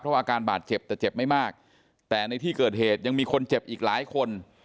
อาการบาดเจ็บแต่เจ็บไม่มากแต่ในที่เกิดเหตุยังมีคนเจ็บอีกหลายคน